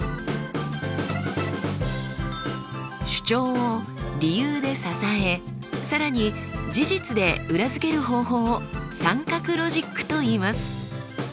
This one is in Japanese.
主張を理由で支え更に事実で裏付ける方法を三角ロジックといいます。